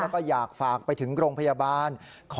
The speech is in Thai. แล้วก็อยากฝากไปถึงโรงพยาบาล